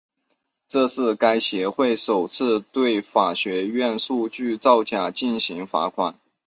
这是该协会首次对法学院数据造假进行罚款。